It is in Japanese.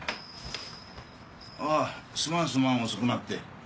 あぁすまんすまん遅くなって。